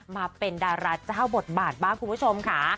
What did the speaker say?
มาเป็นดาราเจ้าบทบาทบ้างคุณผู้ชมค่ะ